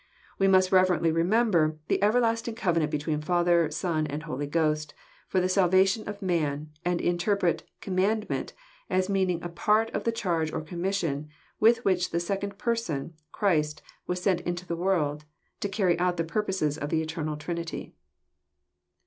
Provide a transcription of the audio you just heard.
We must reverently remember the everlasting covenant between Father, Son, and Holy Ghost, for the salvation of man, and in terpret *< commandment " as meaning a part of the charge or commission with which the Second Person, Christ, was sent into the world, to carry out the purposes of the Eternal Trinity.